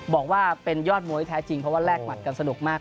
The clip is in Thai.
บอกว่าเป็นยอดมวยแท้จริงเพราะว่าแลกหมัดกันสนุกมาก